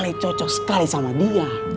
saya cocok sekali sama dia